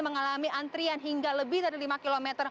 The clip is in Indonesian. mengalami antrian hingga lebih dari lima km